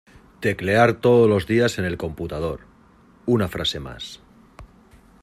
Teclear todos los dias en el computador, una frase más.